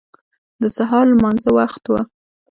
د سهار لمانځه وخت و.